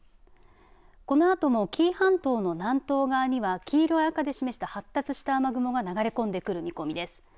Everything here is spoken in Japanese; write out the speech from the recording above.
このあとも紀伊半島の南東側には黄色や赤で示した発達した雨雲が流れ込んでくる見込みです。